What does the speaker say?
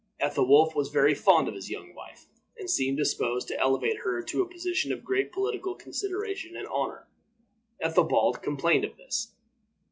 Ethelwolf was very fond of his young wife, and seemed disposed to elevate her to a position of great political consideration and honor. Ethelbald complained of this.